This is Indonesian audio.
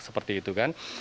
seperti itu kan